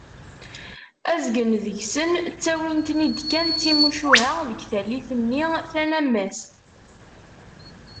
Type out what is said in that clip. Azgen deg-sen ttawin-ten-id kan d timucuha deg tallit-nni tanammast.